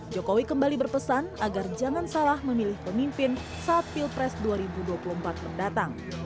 jokowi kembali berpesan agar jangan salah memilih pemimpin saat pilpres dua ribu dua puluh empat mendatang